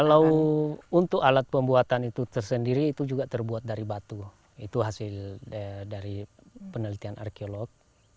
kalau untuk alat pembuatan itu tersendiri itu juga terbuat dari batu itu hasil dari penelitian arkeolog